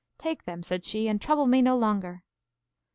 Take them, said she, and trouble me no longer.